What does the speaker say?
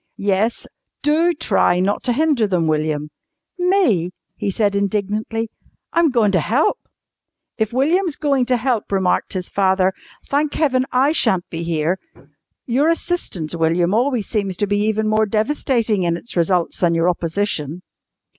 "Yes, DO try not to hinder them, William." "Me?" he said indignantly. "I'm goin' to help!" "If William's going to help," remarked his father, "thank Heaven I shan't be here. Your assistance, William, always seems to be even more devastating in its results than your opposition!"